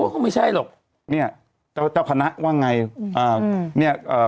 โอ้โหไม่ใช่หรอกเนี้ยเจ้าเจ้าคณะว่าง่ายอืมนี่เอ่อ